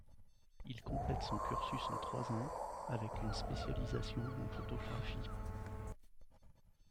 Il complète son cursus en trois ans, avec une spécialisation en photographie.